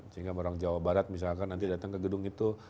sehingga orang jawa barat misalkan nanti datang ke gedung itu